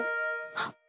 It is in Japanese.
あっ！